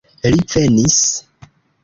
Li venis.